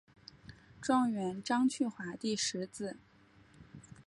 状元张去华第十子。